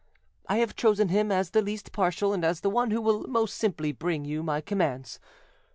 I have chosen him as the least partial and as the one who will most simply bring you my commands.